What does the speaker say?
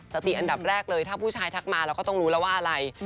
สติอันดับแรกเลยถ้าผู้ชายทักมาเราก็ต้องรู้แล้วว่าอะไร